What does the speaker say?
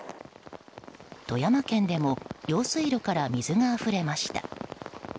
富山県でも用水路から水があふれました。